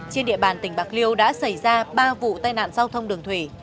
trên địa bàn tỉnh bạc liêu đã xảy ra ba vụ tai nạn giao thông đường thủy